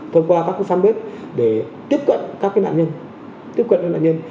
thông qua các fanpage để tiếp cận các nạn nhân